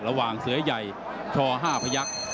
ระหว่างเสือใหญ่ช่อ๕พยักษ์